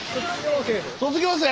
卒業生。